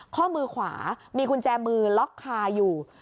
ข้อมือขวามีกุญแจมือล็อกคาอยู่